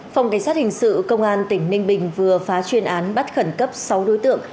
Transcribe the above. phòng cảnh sát hình sự công an tỉnh ninh bình vừa phá chuyên án bắt khẩn cấp sáu đối tượng